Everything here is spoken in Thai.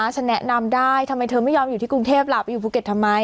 ฉันแนะนำได้ทำไมเธอไม่ยอมอยู่ที่กรุงเทพล่ะไปอยู่ภูเก็ตทำไม